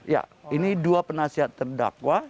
ya ini dua penasihat terdakwa